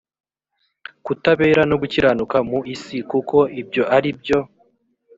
kutabera no gukiranuka mu isi kuko ibyo ari byo